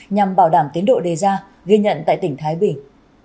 nhằm bảo đảm tiến độ đề ra ghi nhận tại tỉnh thái bình